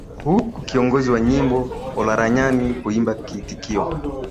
huku kiongozi wa nyimbo Olaranyani huimba kiitikio